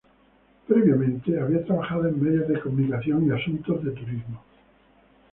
Previamente había trabajo en medios de comunicación y asuntos de turismo.